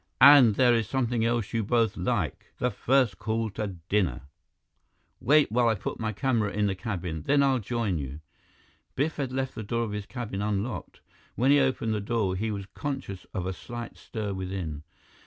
"And there is something else you both like, the first call to dinner. Wait while I put my camera in the cabin; then I'll join you." Biff had left the door of his cabin unlocked. When he opened the door, he was conscious of a slight stir within.